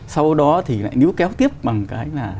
sau đó thì lại nú kéo tiếp bằng cái là